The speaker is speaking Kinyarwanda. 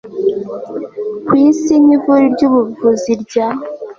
ku isi nk'ishuri ry'ubuvuzi rya